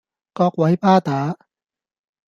各位巴打